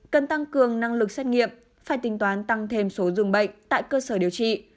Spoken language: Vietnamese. cần tăng cường năng lực xét nghiệm phải tính toán tăng thêm số dường bệnh tại cơ sở điều trị